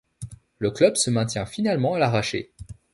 Le club se maintient finalement à l'arraché.